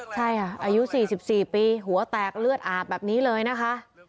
ใช่ค่ะอายุ๔๔ปีหัวแตกเลือดอาบแบบนี้เลยนะคะ